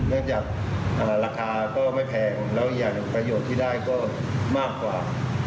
เนื่องจากราคาก็ไม่แพงแล้วอีกอย่างประโยชน์ที่ได้ก็มากกว่า